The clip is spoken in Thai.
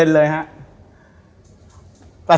๘๐เลยครับ